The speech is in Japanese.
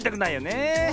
ねえ。